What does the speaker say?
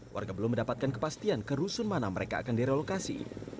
warga belum mendapatkan kepastian ke rusun mana mereka akan direlokasi